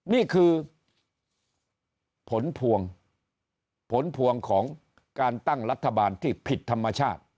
นี่คือผลพวงผลพวงของการตั้งรัฐบาลที่ผิดธรรมชาติ